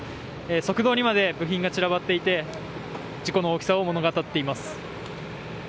側道にまで部品が散らばっていて事故の大きさを物語っています。